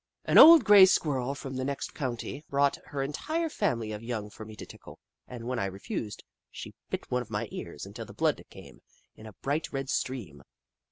An old grey Squirrel from the next county brought her entire family of young for me to tickle, and when I refused, she bit one of my ears until the blood came in a bright red stream.